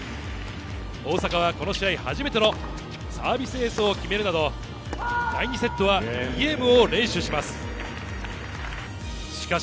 大坂はこの試合初めてのサービスエースを決めるなど、第２セットは２ゲームを連取します。